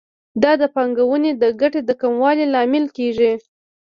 دا د پانګونې د ګټې د کموالي لامل کیږي.